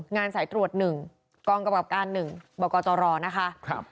สายตรวจ๑กองกำกับการ๑บกตรนะคะ